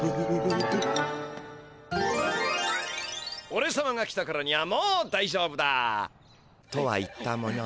おれさまが来たからにはもうだいじょうぶだ。とは言ったものの。